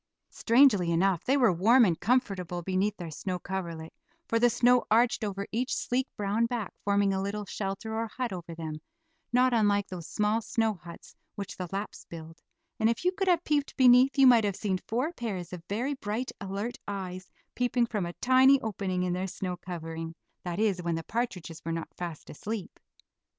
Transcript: Strangely enough they were warm and comfortable beneath their snow coverlet, for the snow arched over each sleek, brown back, forming a little shelter or hut over them, not unlike those small snow huts which the Laps build; and if you could have peeped beneath, you might have seen four pairs of very bright, alert eyes peeping from a tiny opening in their snow covering; that is, when the partridges were not fast asleep.